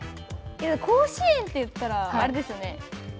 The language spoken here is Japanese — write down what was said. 甲子園といったら、あれですよね。